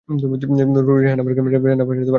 রেহান আপনাকে আর কখনও জ্বালাবে না।